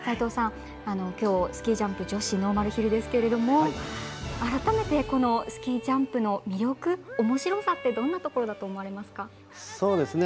きょうスキー・ジャンプノーマルヒルですけれども改めて、このスキー・ジャンプの魅力、おもしろさってどんなところだと思われますか？